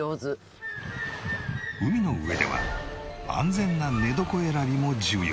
海の上では安全な寝床選びも重要。